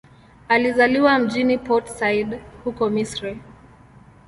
Alizaliwa mjini Port Said, huko Misri.